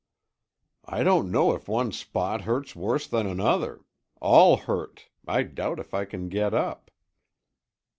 "I don't know if one spot hurts worse than another. All hurt; I doubt if I can get up."